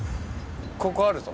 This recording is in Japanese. ここあるぞ。